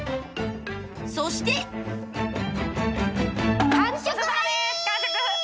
そして完食はい！